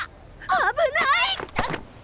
危ない！